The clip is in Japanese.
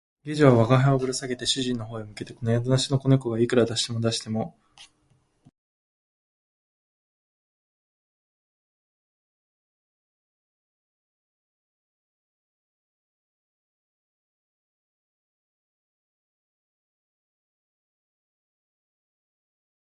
この動物は顔が人間より少し平たく、鼻は落ち込んでいて、唇が厚く、口は広く割れています。だが、これくらいの違いなら、野蛮人にだってあるはず